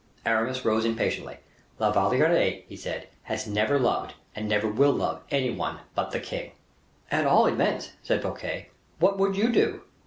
Aramis rose impatiently. "La Valliere," he said, "has never loved, and never will love, any one but the king." "At all events," said Fouquet, "what would you do?"